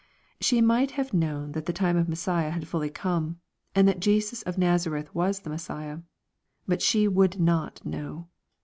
She might have known that the times of Messiah had fully come, and that Jesus of Nazareth was the Messiah. Bui she would not know.